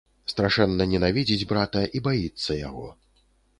Страшэнна ненавідзіць брата і баіцца яго.